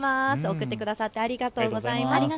送ってくださってありがとうございます。